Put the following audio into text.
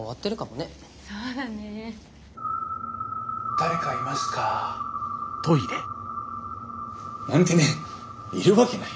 誰かいますか？なんてねいるわけない。